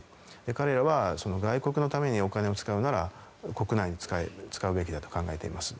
彼らは外国のためにお金を使うなら国内に使うべきだと考えています。